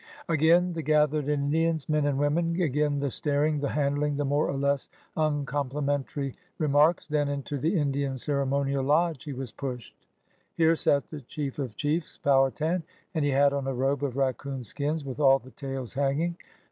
Again the gathered Indians, men and women, again the staring, the handling, the more or less uncomplimentary re marks; then into the Indian ceremonial lodge he was pushed. Here sat the chief of chiefs, Powha tan, and he had on a robe of raccoon skins with all the tails hanging.